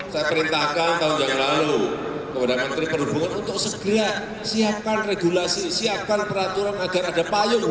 saya perintahkan tahun yang lalu kepada menteri perhubungan untuk segera siapkan regulasi siapkan peraturan agar ada payung